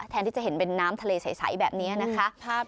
แทนที่จะเห็นเป็นน้ำทะเลใสแบบนี้นะคะ